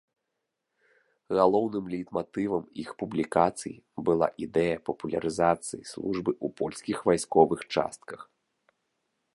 Галоўным лейтматывам іх публікацый была ідэя папулярызацыі службы ў польскіх вайсковых частках.